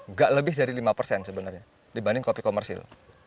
nggak lebih dari lima persen sebenarnya dibanding kopi komersil